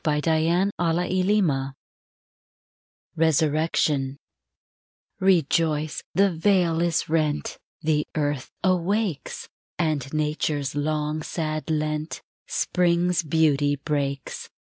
14 EASTER CAROLS RESURRECTION EJOICE1 the veil is rent The earth awakes; fcnd Nature's long, sad Lent, Spring's beauty breaks.